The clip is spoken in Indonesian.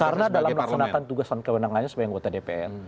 karena dalam laksanakan tugasan kewenangannya sebagai anggota dpr